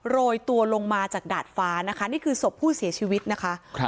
โรยตัวลงมาจากดาดฟ้านะคะนี่คือศพผู้เสียชีวิตนะคะ